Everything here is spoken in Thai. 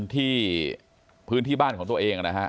ที่พื้นที่บ้านของตัวเองนะฮะ